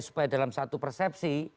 supaya dalam satu persepsi